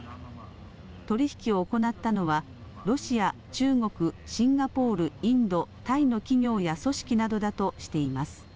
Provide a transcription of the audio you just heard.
取り引きを行ったのはロシア、中国、シンガポール、インド、タイの企業や組織などだとしています。